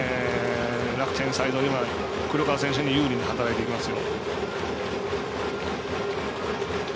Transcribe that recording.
楽天サイド、黒川選手に有利に働いてきますよ。